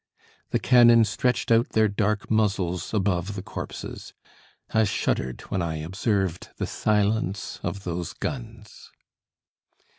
The cannon stretched out their dark muzzles above the corpses. I shuddered when I observed the silence of those guns.